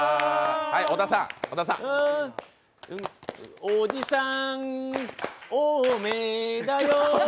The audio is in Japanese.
おじさん、多めだよ。